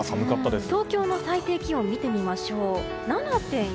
東京の最低気温を見てみましょう。